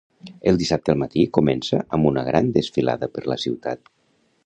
El dissabte al matí comença amb una gran desfilada per la ciutat.